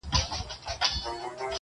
• چي پر مځكه انسانان وي دا به كېږي -